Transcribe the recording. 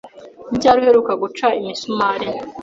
Ni ryari uheruka guca imisumari?